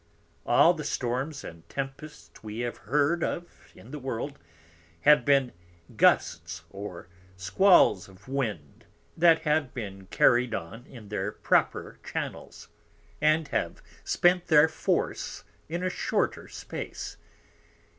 All the Storms and Tempests we have heard of in the World, have been Gusts or Squauls of Wind that have been carried on in their proper Channels, and have spent their Force in a shorter space.